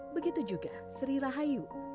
begitu juga sri rahayu